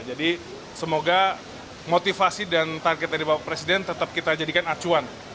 jadi semoga motivasi dan target dari bapak presiden tetap kita jadikan acuan